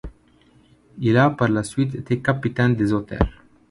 Il a par la suite été capitaine des Otters.